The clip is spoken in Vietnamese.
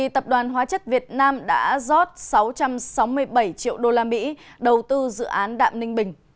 tập đoàn hóa chất việt nam đã rót sáu trăm sáu mươi bảy triệu đô la mỹ đầu tư dự án đạm ninh bình